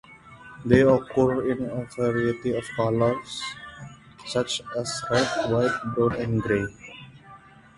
They occur in a variety of colours, such as red, white, brown and gray.